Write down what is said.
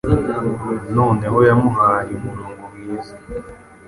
Noneho yamuhaye umurongo mwiza